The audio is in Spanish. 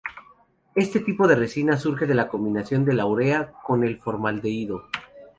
Este tipo de resina surge de la combinación de la urea con el formaldehído.